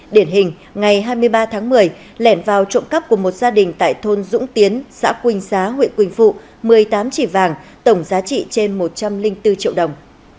điển hình ngày hai mươi ba tháng một mươi lẻn vào trộm cắp của một gia đình tại thôn dũng tiến xã quỳnh xá huyện quỳnh phụ một mươi tám chỉ vàng tổng giá trị trên một trăm linh bốn triệu đồng